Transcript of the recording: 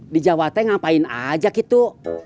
di jawa teng ngapain aja kitu